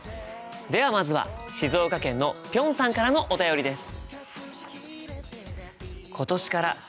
ではまずは静岡県のぴょんさんからのお便りです。